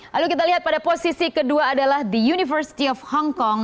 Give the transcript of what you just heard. lalu kita lihat pada posisi kedua adalah the university of hong kong